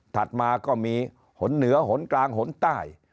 ถัดมาก็มีหนเหนือหนกลางหนใต้